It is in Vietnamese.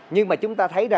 nhưng mà chúng ta thấy